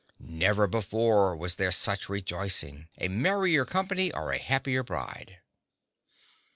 Never before was there such rejoicing—a merrier company or a happier bride.